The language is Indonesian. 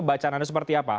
bacaan anda seperti apa